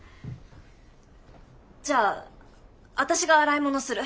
じゃあ私が洗い物する。